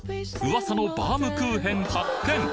噂のバームクーヘン発見！